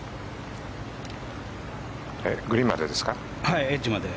グリーンまでですか？